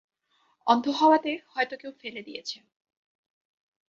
অন্ধ হওয়াতে হয়তো কেউ ফেলে দিয়েছে।